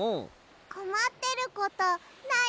こまってることない？